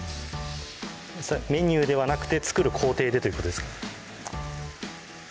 メニューではなくて作る工程でということですか？